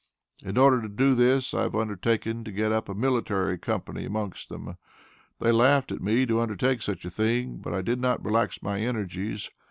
In order to do this, I have undertaken to get up a military company amongst them. They laughed at me to undertake such a thing; but I did not relax my energies.